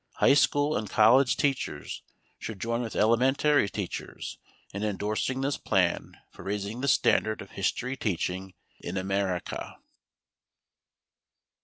High school and college teachers should join with elementary teachers in endorsing this plan for raising the standard of history teaching in America.